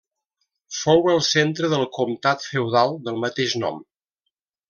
Fou el centre del comtat feudal del mateix nom.